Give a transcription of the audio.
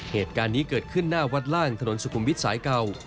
เหตุการณ์นี้เกิดขึ้นหน้าวัดล่างถนนสุขุมวิทย์สายเก่า